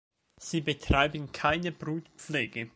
Sie betreiben keine Brutpflege.